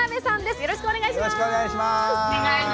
よろしくお願いします。